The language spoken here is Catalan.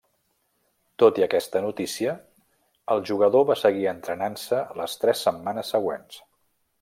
Tot i aquesta notícia el jugador va seguir entrenant-se les tres setmanes següents.